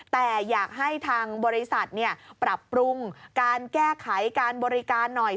แต่อยากให้ทางบริษัทปรับปรุงการแก้ไขการบริการหน่อย